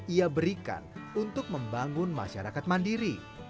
ia berikan untuk membangun masyarakat mandiri